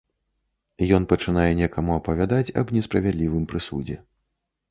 Ён пачынае некаму апавядаць аб несправядлівым прысудзе.